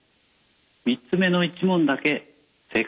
３つ目の１問だけ正解でした。